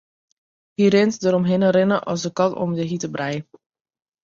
Hy rint deromhinne rinne as de kat om de hjitte brij.